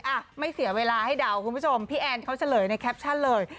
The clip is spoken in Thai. อ่ะไม่เสียเวลาให้เดาคุณผู้ชมพี่แอนเขาเฉลยในแคปชั่นเลย